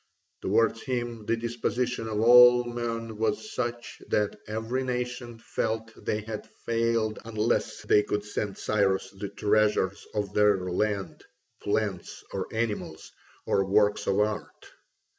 Towards him the disposition of all men was such that every nation felt they had failed unless they could send Cyrus the treasures of their land, plants, or animals, or works of art.